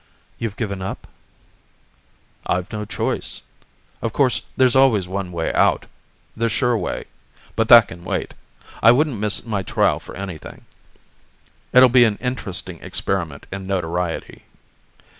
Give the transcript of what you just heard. "You've given up?" "I've no choice. Of course there's always one way out the sure way but that can wait. I wouldn't miss my trial for anything it'll be an interesting experiment in notoriety.